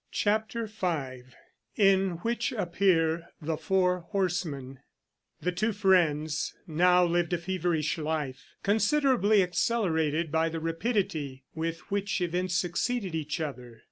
CHAPTER V IN WHICH APPEAR THE FOUR HORSEMEN The two friends now lived a feverish life, considerably accelerated by the rapidity with which events succeeded each other.